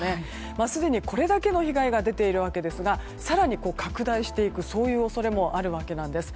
すでに、これだけの被害が出ているわけですが更に拡大していく恐れもあるわけなんです。